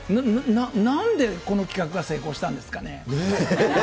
なんで、この企画が成功したんですかね。